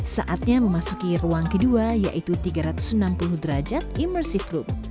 saatnya memasuki ruang kedua yaitu tiga ratus enam puluh derajat immersive group